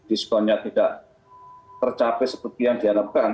diskonnya tidak tercapai seperti yang diharapkan